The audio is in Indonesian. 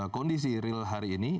kondisi real hari ini